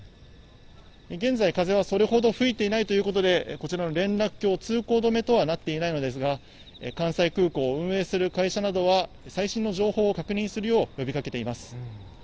現在、風はそれほど吹いていないということで、こちらの連絡橋、通行止めとはなっていないのですが、関西空港を運営する会社などは、最新の情報を確認するよう呼びかけています。